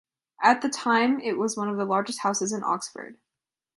At the time it was one of the largest houses in Oxford.